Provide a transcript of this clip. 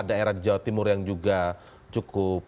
kepala daerah jawa timur yang juga cukup berharga